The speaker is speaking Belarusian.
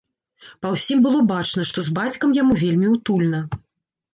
Па ўсім было бачна, што з бацькам яму вельмі утульна.